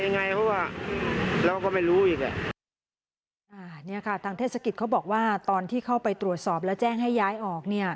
นี่ค่ะทางเทศกิจเขาบอกว่าตอนที่เข้าไปตรวจสอบแล้วแจ้งให้ย้ายออก